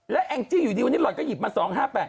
แล้วแองจิวันนี้หล่อยก็หยิบมา๒๕๘